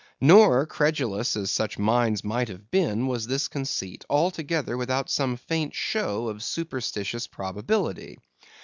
Nor, credulous as such minds must have been, was this conceit altogether without some faint show of superstitious probability.